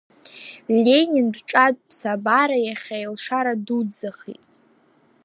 Ленинтә ҿатә ԥсабара, иахьа илшара дуӡӡахеит!